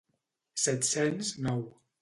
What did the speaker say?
set-cents nou.